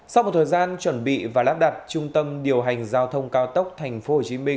sau một thời gian chuẩn bị và lắp đặt trung tâm điều hành giao thông cao tốc tp hcm